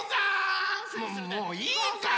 ももういいから！